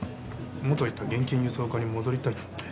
元いた現金輸送課に戻りたいって。